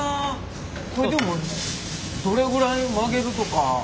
これでもどれぐらい曲げるとか。